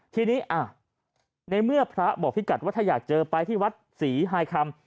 ทีนี้ในเมื่อพระบอกพี่กัดว่าถ้าอยากเจอไปที่วัดศรีไฮคำ